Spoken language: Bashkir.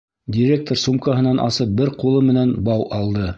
Директор сумкаһынан асып бер ҡулы менән бау алды.